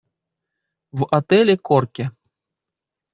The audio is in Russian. В отеле в Корке.